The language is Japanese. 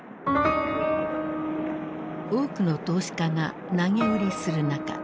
多くの投資家が投げ売りする中